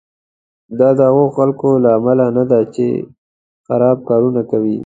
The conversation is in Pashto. دا د هغو خلکو له امله نه ده چې خراب کارونه کوي.